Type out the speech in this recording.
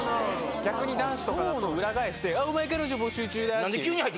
逆に男子とかだと、裏返して、あっ、お前彼女募集中だって。